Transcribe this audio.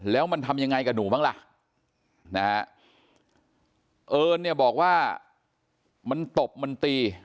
แล้วมันทำยังไงกับหนูบ้างล่ะนะฮะเอิญเนี่ยบอกว่ามันตบมันตี